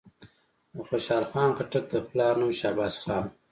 د خوشحال خان خټک د پلار نوم شهباز خان وو.